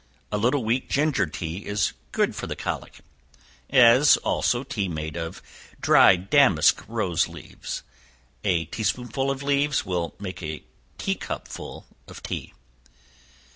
A little weak ginger tea is good for the colic; as also tea made of dried damask rose leaves; a tea spoonful of leaves will make a tea cupful of tea.